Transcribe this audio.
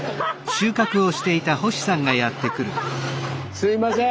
すいません